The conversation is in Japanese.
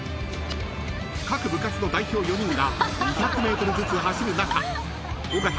［各部活の代表４人が２００ｍずつ走る中］